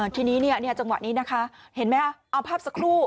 ทีนี้จังหวะนี้นะคะเห็นไหมเอาภาพสักครู่